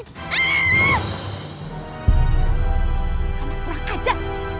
anak raka aja